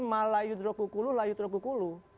malah yudroku kulu layu troku kulu